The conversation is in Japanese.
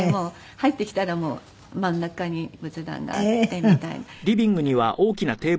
入ってきたらもう真ん中に仏壇があってみたいな。